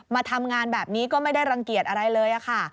มาทำงานแบบนี้ก็ไม่ได้รังเกียจอะไรเลยค่ะ